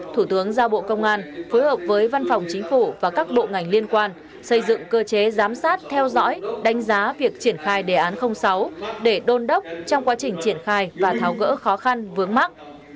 thủ tướng giao bộ công an phối hợp với văn phòng chính phủ và các bộ ngành liên quan xây dựng cơ chế giám sát theo dõi đánh giá việc triển khai đề án sáu để đôn đốc trong quá trình triển khai và tháo gỡ khó khăn vướng mắt